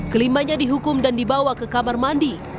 kelimanya dihukum dan dibawa ke kamar mandi